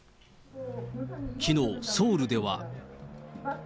きのう、ソウルでは。